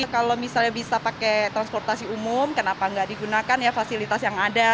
kalau misalnya bisa pakai transportasi umum kenapa nggak digunakan ya fasilitas yang ada